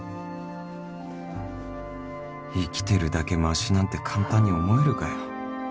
生きてるだけましなんて簡単に思えるかよ